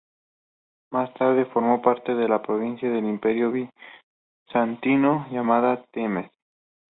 Más tarde formó parte de la provincia del Imperio Bizantino llamada Themes.